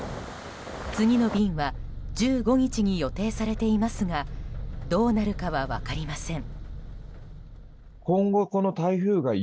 次の便は１５日に予定されていますがどうなるかは分かりません。